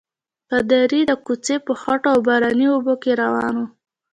پادري د کوڅې په خټو او باراني اوبو کې روان وو.